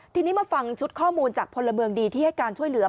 ทีนี้มาฟังชุดข้อมูลจากพลเมืองดีที่ให้การช่วยเหลือ